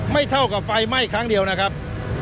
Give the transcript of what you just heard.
เท่ากับไฟไหม้ครั้งเดียวนะครับ